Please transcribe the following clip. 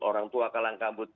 orang tua kalangkabut